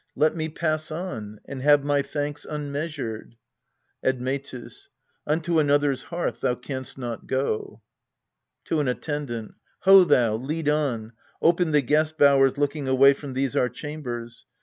Let me pass on, and have my thanks un measured. Admetus. Unto another's hearth thou canst not go. \To an ATTENDANT] Ho thou, lead on: open the' guest bowers looking Away from these our chambers.